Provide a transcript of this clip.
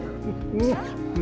aku sekarang sudah besar